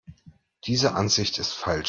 Diese Ansicht ist falsch.